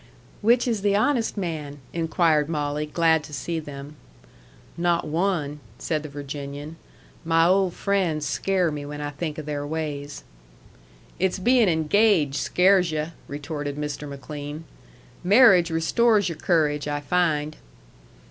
"Which is the honest man?" inquired Molly, glad to see them. "Not one!" said the Virginian. "My old friends scare me when I think of their ways." "It's bein' engaged scares yu'," retorted Mr. McLean. "Marriage restores your courage, I find."